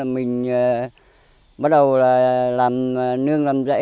mình bắt đầu làm nương làm giấy